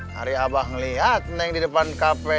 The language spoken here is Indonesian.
hari abah ngelihat neng di depan kafe